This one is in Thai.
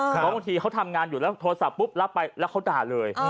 เพราะบางทีเขาทำงานอยู่แล้วโทรศัพท์ปุ๊บรับไปแล้วเขาด่าเลย